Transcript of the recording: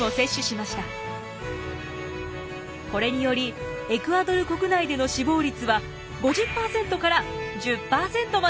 これによりエクアドル国内での死亡率は５０％から１０％までに。